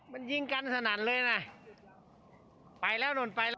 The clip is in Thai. ตามติดลงมานี่ผมย้อนตอนนั้นมาร้านด้วย